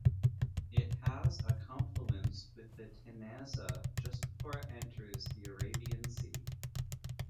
It has a confluence with the Tanasa just before it enters the Arabian Sea.